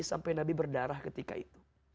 sampai nabi berdarah ketika itu